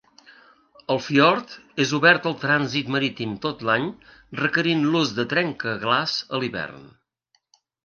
El fiord és obert al trànsit marítim tot l'any, requerint l'ús de trencaglaç a l'hivern.